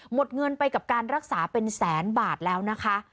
หมดเงินไปกับการรักษาเป็นแสนบาทแล้วนะคะ